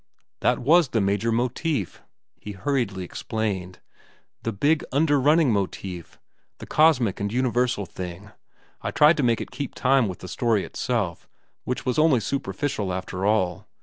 "That was the major motif," he hurriedly explained, "the big underrunning motif, the cosmic and universal thing. I tried to make it keep time with the story itself, which was only superficial after all.